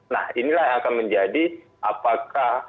nah inilah yang akan menjadi apakah